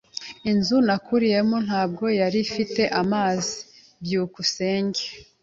Inzu nakuriyemo ntabwo yari ifite amazi. byukusenge